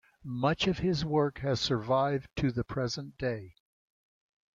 Much of his work has survived to the present day.